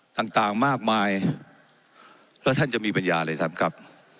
ต่างต่างมากมายแล้วท่านจะมีปัญญาเลยท่านครับ